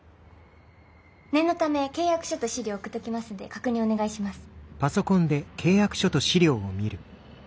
念のため契約書と資料送っときますんで確認お願いします。